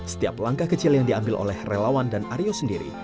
setiap langkah kecil yang diambil oleh relawan dan aryo sendiri